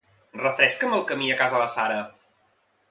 Refresca'm el camí a casa la Sara.